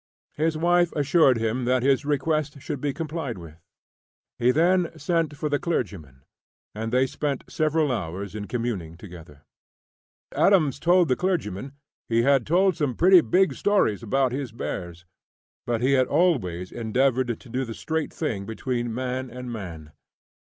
His wife assured him that his request should be complied with. He then sent for the clergyman, and they spent several hours in communing together. Adams told the clergyman he had told some pretty big stories about his bears, but he had always endeavored to do the straight thing between man and man.